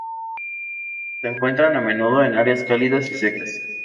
Se encuentran a menudo en áreas cálidas y secas.